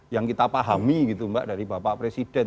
yang kita pahami gitu mbak dari bapak presiden